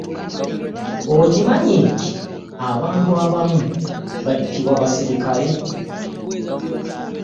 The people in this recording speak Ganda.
Okimanyi nti abantu abamu battibwa basirikale.